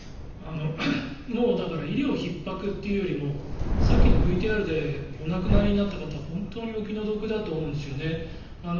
もうだから医療ひっ迫というよりもさっきのＶＴＲでお亡くなりになった方は本当にお気の毒だと思うんですよね。